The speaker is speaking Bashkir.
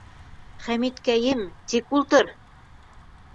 Хәмиткәйем, тик ултыр.